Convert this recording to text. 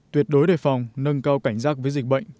tuyệt đối đề phòng nâng cao cảnh giác với dịch bệnh